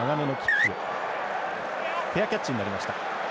フェアキャッチになりました。